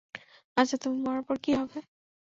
আচ্ছা, তুমি মরার পর কী হবে?